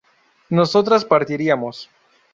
nosotras partiríamos